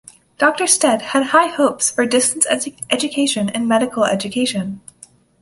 Doctor Stead had high hopes for distance education in medical education.